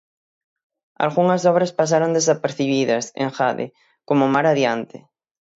"Algunhas obras pasaron desapercibidas, engade, "como Mar adiante.